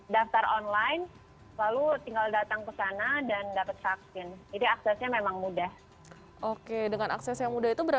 dan di dalam restoran itu juga ada vaksin yang kedua kemarin